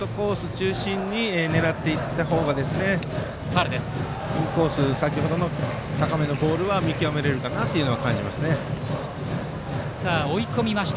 中心に狙っていった方がインコース先ほどの高めのボールは見極められるかなと思います。